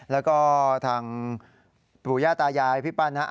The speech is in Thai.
แล้วก็ทางผู้หญ้าตายายพี่ปั้นนะครับ